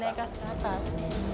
di naik ke atas